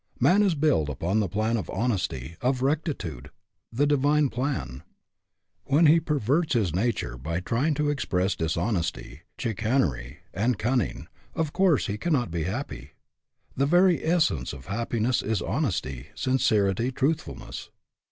Man is built upon the plan of honesty, of rectitude the divine plan. When he perverts his nature by trying to express dishonesty, HAPPY ? IF NOT, WHY NOT? 147 chicanery, and cunning, of course he cannot be happy. The very essence of happiness is hon esty, sincerity, truthfulness.